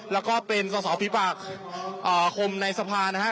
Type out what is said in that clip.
แล้วก็เป็นสอสอฝีปากคมในสภานะฮะ